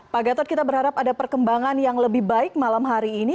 pak gatot kita berharap ada perkembangan yang lebih baik malam hari ini